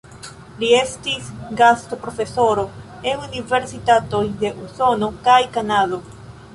Li estis gastoprofesoro en universitatoj de Usono kaj Kanado.